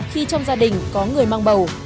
khi trong gia đình có người mang bầu